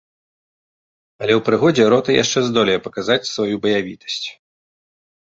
Але ў прыгодзе рота яшчэ здолее паказаць сваю баявітасць.